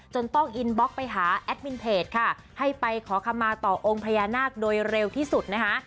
ต้องอินบล็อกไปหาแอดมินเพจค่ะให้ไปขอคำมาต่อองค์พญานาคโดยเร็วที่สุดนะคะ